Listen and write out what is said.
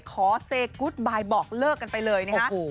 ขอเซย์กู๊ดบายบอกเลิกกันไปเลยนะคะโอ้โห